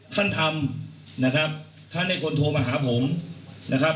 ท่านทำนะครับท่านให้คนโทรมาหาผมนะครับ